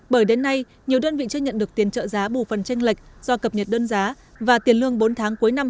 bởi đến nay nhiều đơn vị chưa nhận được tiền trợ giá bù phần trên lệch do cập nhật đơn giá và tiền lương bốn tháng cuối năm hai nghìn một mươi chín